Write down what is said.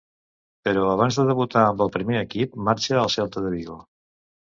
Però, abans de debutar amb el primer equip, marxa al Celta de Vigo.